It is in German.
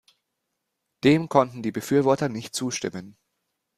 Dem konnten die Befürworter nicht zustimmen.